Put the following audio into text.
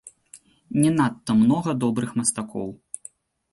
Не надта многа добрых мастакоў.